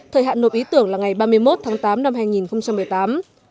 thời hạn nộp ý tưởng là ngày ba mươi một tháng tám năm hai nghìn một mươi tám